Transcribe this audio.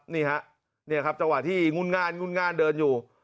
นี่ครับจังหวะที่งุ่นงานเดินอยู่